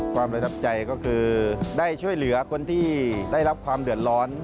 ประทับใจก็คือได้ช่วยเหลือคนที่ได้รับความเดือดร้อน